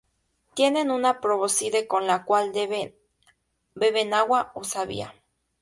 Tienen una probóscide con la cual beben agua o savia.